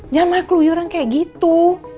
jangan malah keluyuran kayak gitu